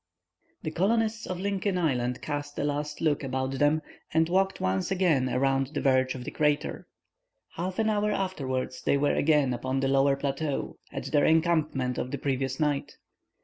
The colonists of Lincoln Island cast a last look about them and walked once around the verge of the crater. Half an hour afterwards they were again upon the lower plateau, at their encampment of the previous night.